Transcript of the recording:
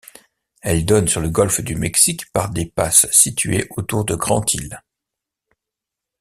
Elle donne sur le golfe du Mexique par des passes situées autour de Grand-Isle.